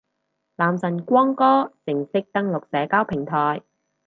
男神光哥正式登陸社交平台